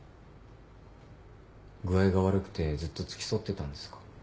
具合が悪くてずっと付き添ってたんですか？